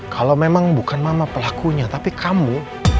kalau memang bukan mama pelakunya tapi kamu